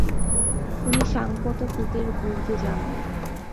তিনি সাংকত পিতেরবুর্গে যান।